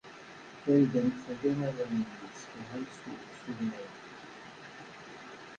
Farida n Ukeffadu ad awen-d-tessefhem s tugna-a.